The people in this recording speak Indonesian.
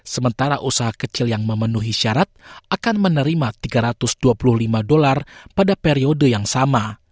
sementara usaha kecil yang memenuhi syarat akan menerima tiga ratus dua puluh lima dolar pada periode yang sama